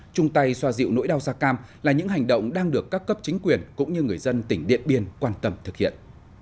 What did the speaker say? chung tay xoa dịu nỗi đau da cam là những hành động đang được các cấp chính quyền cũng như người dân tỉnh điện biên quan tâm thực hiện